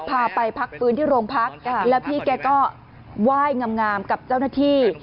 พาไปพักฟื้นที่โรงพักแล้วพี่แกก็ไหว้งามกับเจ้าหน้าที่